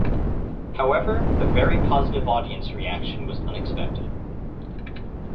However, the very positive audience reaction was unexpected.